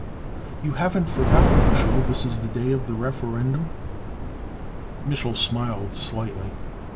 "You haven't forgotten, Mich'l, this is the day of the Referendum?" Mich'l smiled slightly.